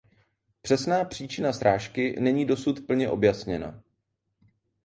Přesná příčina srážky není dosud plně objasněna.